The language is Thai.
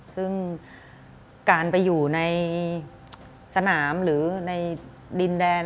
ซึ่งการไปอยู่ในสนามหรือในดินแดน